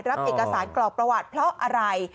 รับเอกสารกรอกประวัติเพราะอะไร